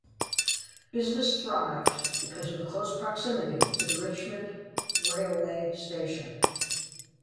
Business thrived because of the close proximity to the Richmond railway station.